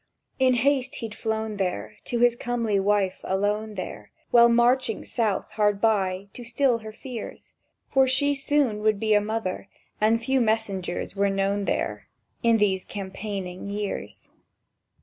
In haste he'd flown there To his comely wife alone there, While marching south hard by, to still her fears, For she soon would be a mother, and few messengers were known there In these campaigning years.